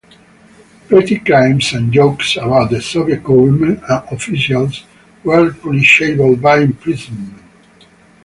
Petty crimes and jokes about the Soviet government and officials were punishable by imprisonment.